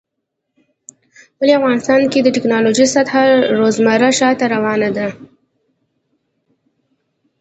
ولی افغانستان کې د ټيکنالوژۍ سطحه روزمره شاته روانه ده